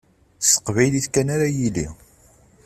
S teqbaylit kan ara yili.